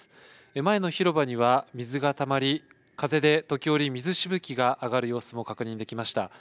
前の広場には水がたまり、風で時折、水しぶきが上がる様子も確認できました。